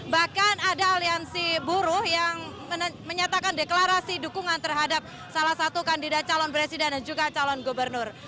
bahkan ada aliansi buruh yang menyatakan deklarasi dukungan terhadap salah satu kandidat calon presiden dan juga calon gubernur